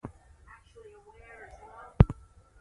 چارواکي دې پاملرنه وکړي.